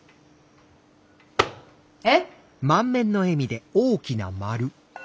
えっ？